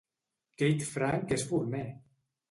Kate Frank és forner!